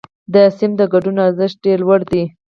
د ټولګي د ګډون ارزښت ډېر لوړ دی.